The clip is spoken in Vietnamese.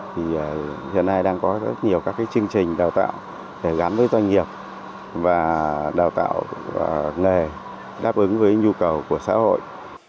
thì hiện nay đang có rất nhiều các chương trình đào tạo để gắn với doanh nghiệp và đào tạo nghề đáp ứng với nhu cầu của xã hội